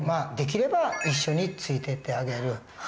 できれば一緒についてってあげる。